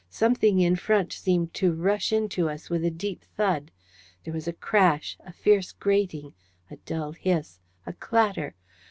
Something in front seemed to rush into us with a deep thud. There was a crash, a fierce grating, a dull hiss, a clatter.